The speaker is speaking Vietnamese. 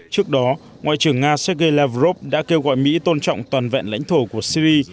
trước đó ngoại trưởng nga sergei lavrov đã kêu gọi mỹ tôn trọng toàn vẹn lãnh thổ của syri